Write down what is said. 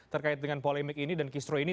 terkait dengan polemik ini dan kistro ini